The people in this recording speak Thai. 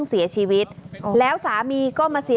โปรดติดตามต่อไป